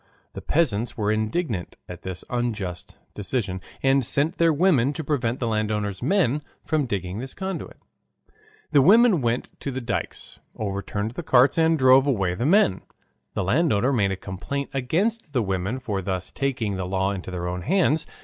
The peasants were indignant at this unjust decision, and sent their women to prevent the landowner's men from digging this conduit. The women went to the dykes, overturned the carts, and drove away the men. The landowner made a complaint against the women for thus taking the law into their own hands.